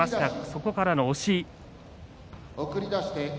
そこからの押し。